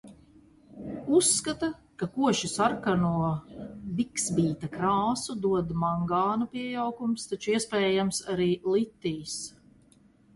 Uzskata, ka koši sarkano biksbīta krāsu dod mangāna piejaukums, taču iespējams, arī litijs.